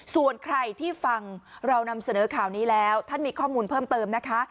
ส่วนใครที่ฟังเรานำเสนอข่าวนี้แล้วท่านมีข้อมูลเพิ่มเติมนะคะ